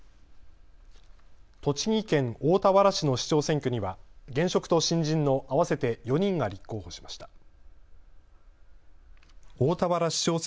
栃木県大田原市の市長選挙には現職と新人の合わせて４人が立候補しました。